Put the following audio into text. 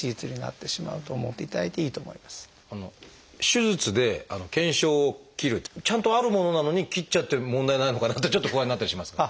手術で腱鞘を切るちゃんとあるものなのに切っちゃって問題ないのかなってちょっと不安になったりしますが。